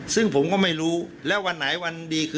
ซึ่งผมก็ไม่รู้แล้ววันไหนวันดีคืน